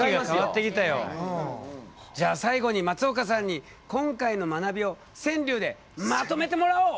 じゃあ最後に松岡さんに今回の学びを川柳でまとめてもらおう。